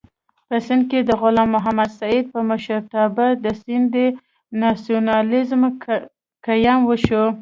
په سېند کې د غلام محمد سید په مشرتابه د سېندي ناسیونالېزم قیام وشو.